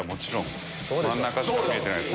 真ん中しか見えてないです。